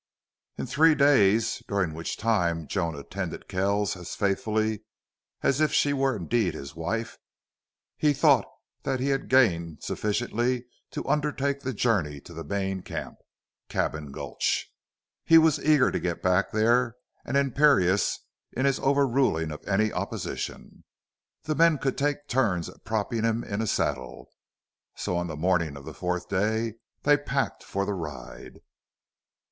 8 In three days during which time Joan attended Kells as faithfully as if she were indeed his wife he thought that he had gained sufficiently to undertake the journey to the main camp, Cabin Gulch. He was eager to get back there and imperious in his overruling of any opposition. The men could take turns at propping him in a saddle. So on the morning of the fourth day they packed for the ride.